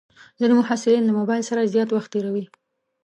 ځینې محصلین له موبایل سره زیات وخت تېروي.